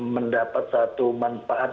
mendapat satu manfaat